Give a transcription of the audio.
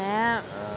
うん。